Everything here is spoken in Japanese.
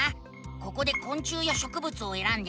ここでこん虫やしょくぶつをえらんで。